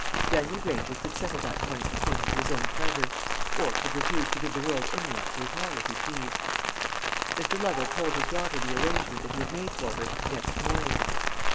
Daniel Granger could settle that point according to his own pleasure; or could refuse to give the world any answer at all, if he pleased. Mr. Lovel told his daughter the arrangement that he had made for her next morning.